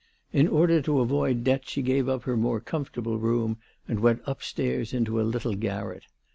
In order to avoid debt she gave up her more comfortable room and went upstairs into a little garret.